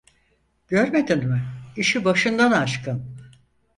Görmedin mi, işi başından aşkın.